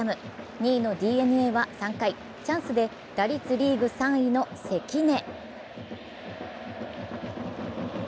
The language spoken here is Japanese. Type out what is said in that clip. ２位のＤｅＮＡは３回、チャンスで打率リーグ３位の関根。